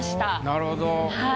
なるほど。